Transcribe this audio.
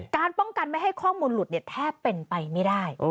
การป้องกันไม่ให้ข้อมูลหลุดแทบเป็นไปไม่ได้